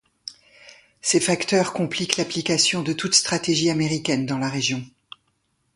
Ces facteurs compliquent l'application de toute stratégie américaine dans la région.